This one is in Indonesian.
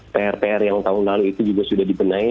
pr pr yang tahun lalu itu juga sudah dibenahi